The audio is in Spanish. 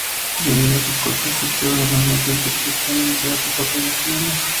Debido a su corta estatura normalmente interpretaba en el teatro papeles de niño.